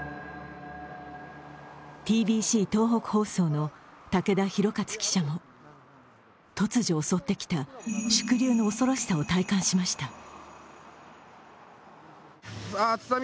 ｔｂｃ東北放送の武田弘克記者も突如襲ってきた縮流の恐ろしさを体感しました。